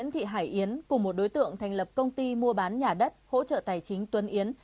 thị hải yến cùng một đối tượng thành lập công ty mua bán nhà đất hỗ trợ tài chính tuấn yến